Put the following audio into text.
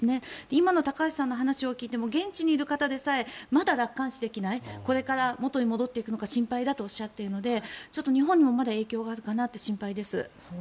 今の高橋さんの話を聞いても現地にいる方でさえまだ楽観視できないこれから元に戻っていくのか心配だとおっしゃっているのでちょっと日本にもまだ影響があるかなって心配です。